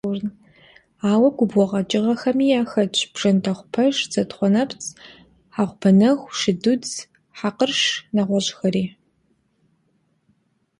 Ауэ губгъуэ къэкӀыгъэхэми яхэтщ бжэндэхъупэж, зэнтхъунэпцӀ, хьэгъубэнэху, шыдудз, хьэкъырш, нэгъуэщӀхэри.